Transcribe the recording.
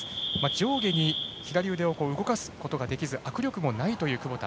上下に左腕を動かすことができず握力もないという、窪田。